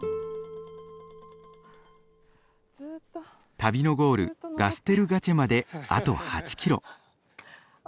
旅のゴールガステルガチェまであと８キロ。